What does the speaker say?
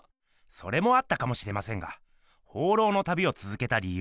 それもあったかもしれませんが放浪の旅をつづけたりゆう。